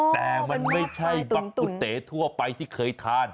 แต่มันไม่ใช่บักกุเต๋ทั่วไปที่เคยทาน